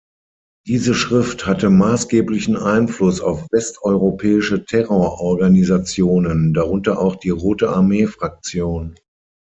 Diese Schrift hatte maßgeblichen Einfluss auf westeuropäische Terrororganisationen, darunter auch die Rote Armee Fraktion.